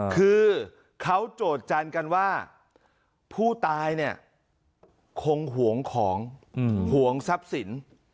คือเขาโจทย์จันทร์กันว่าผู้ตายเนี่ยคงห่วงของห่วงทรัพย์สิน